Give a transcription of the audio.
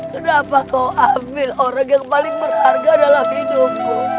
kenapa kau ambil orang yang paling berharga dalam hidupku